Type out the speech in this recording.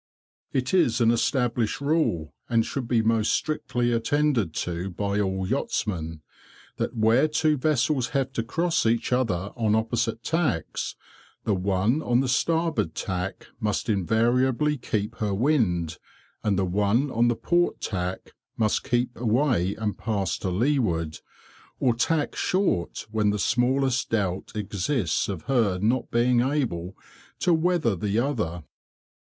"It is an established rule, and should be most strictly attended to by all yachtsmen, that where two vessels have to cross each other on opposite tacks, the one on the starboard tack must invariably keep her wind, and the one on the port tack must keep away and pass to leeward, or tack short when the smallest doubt exists of her not being able to weather the other.